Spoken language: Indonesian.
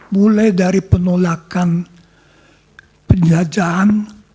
mulai dari penolakan penjajahan